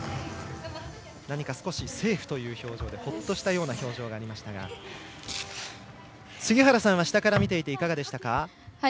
何か少し、セーフという表情でほっとしたような表情がありましたが杉原さんはしたから見ていていかがでしたか？